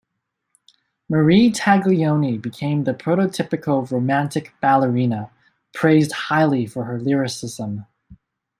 Marie Taglioni became the prototypical Romantic ballerina, praised highly for her lyricism.